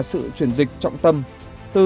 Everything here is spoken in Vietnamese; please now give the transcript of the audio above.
sự chuyển dịch trọng tâm từ